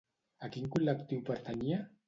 A quin col·lectiu pertanyia?